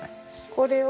これを。